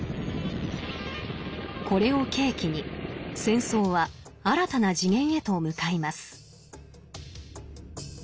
これを契機に戦争は新たな次元へと向かいます。